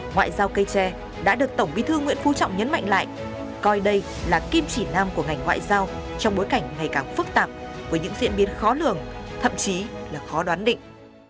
ngoại giao cây tre đã được tổng bí thư nguyễn phú trọng nhấn mạnh lại coi đây là kim chỉ nam của ngành ngoại giao trong bối cảnh ngày càng phức tạp với những diễn biến khó lường thậm chí là khó đoán định